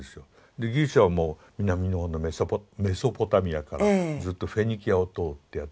でギリシャはもう南のほうのメソポタミアからずっとフェニキアを通ってやって来て。